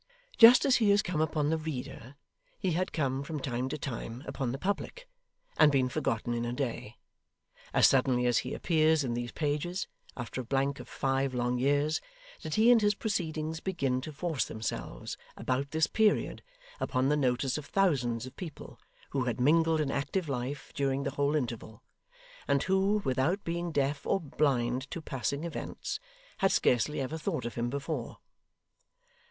Just as he has come upon the reader, he had come, from time to time, upon the public, and been forgotten in a day; as suddenly as he appears in these pages, after a blank of five long years, did he and his proceedings begin to force themselves, about this period, upon the notice of thousands of people, who had mingled in active life during the whole interval, and who, without being deaf or blind to passing events, had scarcely ever thought of him before.